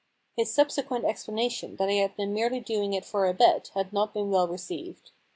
His subsequent explanation that he had merely been doing it for a bet had not been well received.